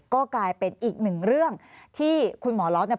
ก็กลายเป็นอีกหนึ่งเรื่องที่คุณหมอล็อตเนี่ย